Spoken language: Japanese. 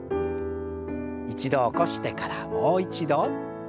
一度起こしてからもう一度。